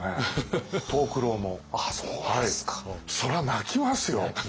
そら泣きますよ。